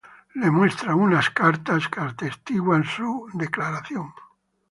Le muestra unas cartas que atestiguan su declaración.